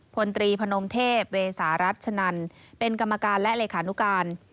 พลตรีพนมเทพเวสารัชนันเป็นกรรมการและเลขานุการ